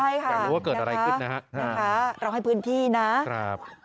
ใช่ค่ะอยากรู้ว่าเกิดอะไรขึ้นนะฮะเราให้พื้นที่นะครับ